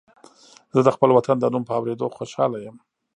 زه د خپل وطن د نوم په اورېدو خوشاله یم